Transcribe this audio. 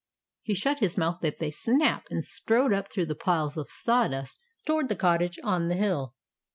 He shut his mouth with a snap, and strode up through the piles of sawdust toward the cottage on the hill.